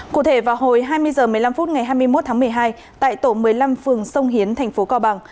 cụ thể vào hồi hai mươi h một mươi năm phút ngày hai mươi một tháng một mươi hai tại tổ một mươi năm phường sông hiến thành phố cao bằng